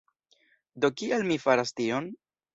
Do kial mi faras tion?